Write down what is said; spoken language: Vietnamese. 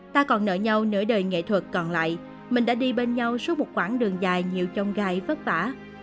ta còn nợ nhau nửa đời nghệ thuật còn lại mình đã đi bên nhau suốt một quãng đường dài nhiều trông gai vất vả